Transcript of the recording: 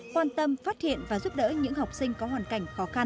quan tâm phát hiện và giúp đỡ những học sinh có hoàn cảnh khó khăn